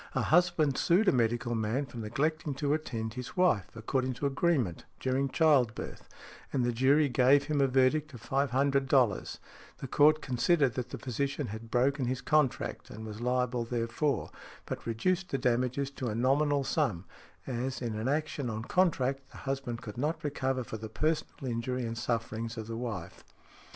A husband sued a medical man for neglecting to attend |73| his wife, according to agreement, during childbirth, and the jury gave him a verdict of $500; the court considered that the physician had broken his contract and was liable therefor, but reduced the damages to a nominal sum, as, in an action on contract, the husband could not recover for the personal injury and sufferings of the wife .